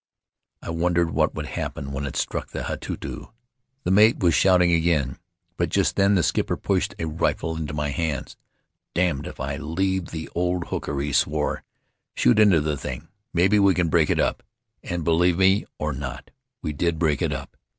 I wondered what would happen when it struck the Hatutu. The mate Faery Lands of the South Seas was shouting again, but just then the skipper pushed a rifle into my hands. 'Damned if I leave the old hooker,' he swore. 'Shoot into the thing — maybe we can break it up.' And, believe me or not, we did break it up.